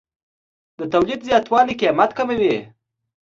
د تولید زیاتوالی قیمت کموي.